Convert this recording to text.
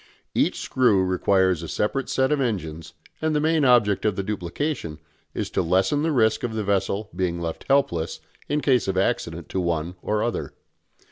Each screw requires a separate set of engines and the main object of the duplication is to lessen the risk of the vessel being left helpless in case of accident to one or other.